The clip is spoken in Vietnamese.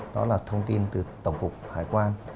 đó là thông tin từ tổng cục hải quan